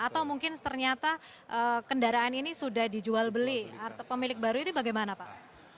atau mungkin ternyata kendaraan ini sudah dijual beli pemilik baru ini bagaimana pak